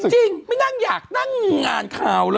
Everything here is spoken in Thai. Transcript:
จริงไม่น่างอยากตั้งงานข่าวละ